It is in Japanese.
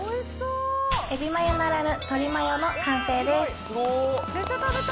エビマヨならぬ、とりマヨの完成です。